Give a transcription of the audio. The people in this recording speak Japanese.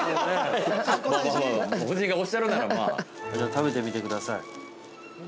◆食べてみてください。